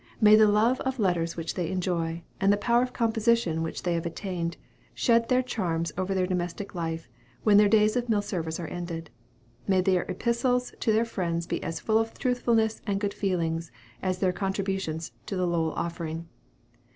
May the love of letters which they enjoy, and the power of composition which they have attained, shed their charms over their domestic life, when their days of mill service are ended. May their epistles to their friends be as full of truthfulness and good feeling as their contributions to "The Lowell Offering."